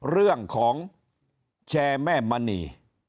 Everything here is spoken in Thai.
เรื่องของแชร์แม่มณี